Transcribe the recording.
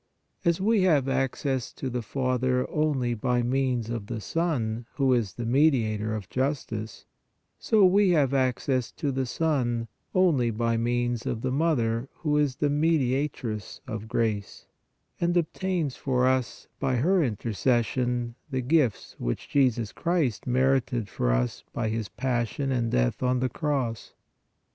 As we have access to the Father only by means of the Son who is the Mediator of justice, so we have access to the Son only by means of the Mother who is the Mediatress of grace, and obtains for us by her intercession the gifts which Jesus Christ merited for us by His passion and death on the cross."